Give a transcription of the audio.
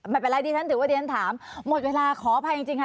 ไม่เป็นไรดิฉันถือว่าดิฉันถามหมดเวลาขออภัยจริงค่ะ